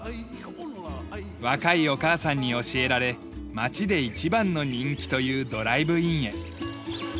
若いお母さんに教えられ町で一番の人気というドライブインへ。